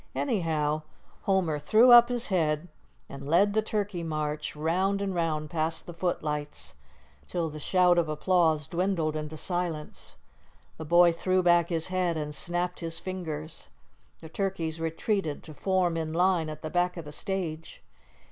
Anyhow, Homer threw up his head, and led the turkey march round and round past the footlights, till the shout of applause dwindled into silence. The boy threw back his head and snapped his fingers. The turkeys retreated to form in line at the back of the stage.